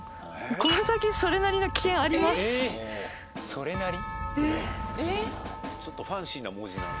「それなり」？